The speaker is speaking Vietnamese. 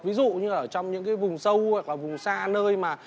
ví dụ như ở trong những cái vùng sâu hoặc là vùng xa nơi mà